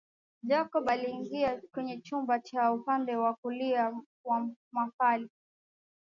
Jacob aliingia kwenye chumba cha upande wa kulia wa mafaili